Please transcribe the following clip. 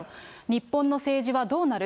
日本の政治はどうなる？